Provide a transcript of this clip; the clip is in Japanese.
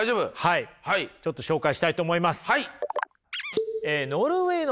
はいちょっと紹介したいと思います。